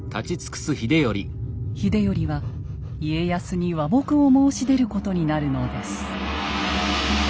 秀頼は家康に和睦を申し出ることになるのです。